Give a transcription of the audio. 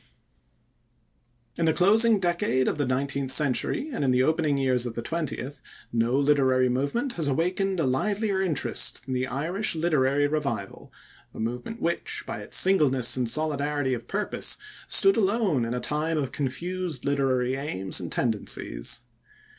D. In the closing decade of the nineteenth century and in the opening years of the twentieth, no literary movement has awakened a livelier interest than the Irish Literary Revival, a movement which, by its singleness and solidarity of purpose, stood alone in a time of confused literary aims and tendencies.